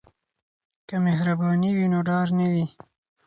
که مهرباني وي نو ډار نه وي.